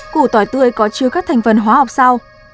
củ tỏi tươi có chứa các thành phần hóa học sau